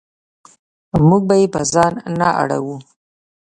موږ به یې په ځان نه اړوو.